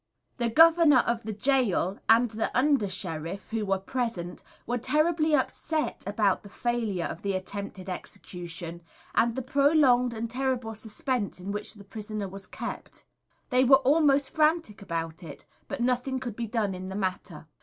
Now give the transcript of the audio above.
The Governor of the Gaol, and the Under Sheriff, who were present, were terribly upset about the failure of the attempted execution, and the prolonged and terrible suspense in which the prisoner was kept. They were almost frantic about it, but nothing could be done in the matter.